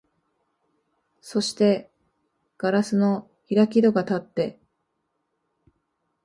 そして硝子の開き戸がたって、